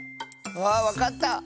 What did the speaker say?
あわかった！